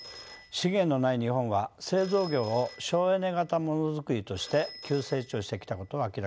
資源のない日本は製造業を省エネ型モノ作りとして急成長してきたことは明らかです。